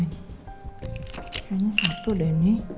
kayaknya satu deh nih